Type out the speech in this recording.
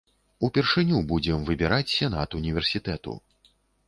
Упершыню будзем выбіраць сенат універсітэту.